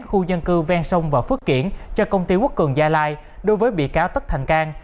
khu dân cư ven sông và phước kiển cho công ty quốc cường gia lai đối với bị cáo tất thành cang